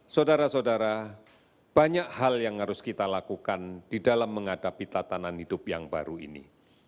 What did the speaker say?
saudara saudara banyak hal yang harus kita lakukan di dalam menghadapi tatanan hidup yang baru ini